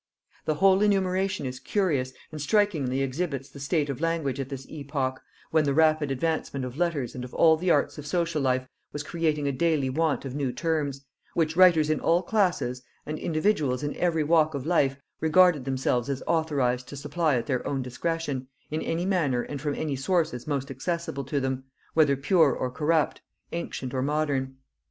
The whole enumeration is curious, and strikingly exhibits the state of language at this epoch, when the rapid advancement of letters and of all the arts of social life was creating a daily want of new terms, which writers in all classes and individuals in every walk of life regarded themselves as authorized to supply at their own discretion, in any manner and from any sources most accessible to them, whether pure or corrupt, ancient or modern.